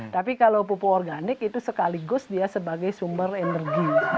tapi kalau pupuk organik itu sekaligus dia sebagai sumber energi